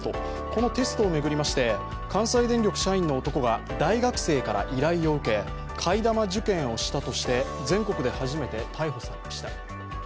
このテストを巡りまして関西電力社員の男が大学生から依頼を受け替え玉受験をしたとして全国で初めて逮捕されました。